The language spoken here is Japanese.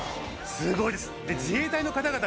すごいです。